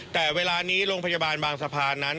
แต่เวลานี้โรงพยาบาลบางสะพานนั้น